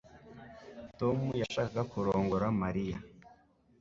Tom yashakaga kurongora Mariya